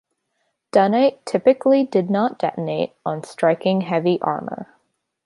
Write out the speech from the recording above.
Dunnite typically did not detonate on striking heavy armor.